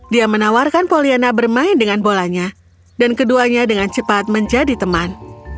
dia menawarkan poliana bermain dengan bolanya dan keduanya dengan cepat menjadi teman